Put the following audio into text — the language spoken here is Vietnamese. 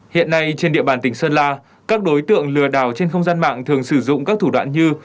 hiện nay trên địa bàn tỉnh sơn la các đối tượng lừa đảo trên không gian mạng thường sử dụng các thủ đoạn như